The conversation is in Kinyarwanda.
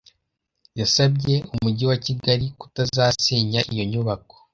Yasabye Umujyi wa Kigali kutazasenya iyo nyubako